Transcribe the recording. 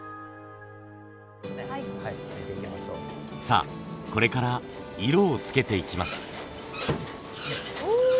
さあこれから色をつけていきます。